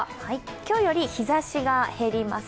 今日より日ざしが減ります。